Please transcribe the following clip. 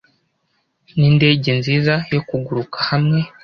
Nindege nziza yo kuguruka hamwe.